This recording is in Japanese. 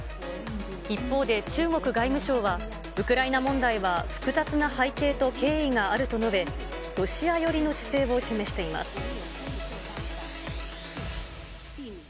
一方で中国外務省は、ウクライナ問題は複雑な背景と経緯があると述べ、ロシア寄りの姿勢を示しています。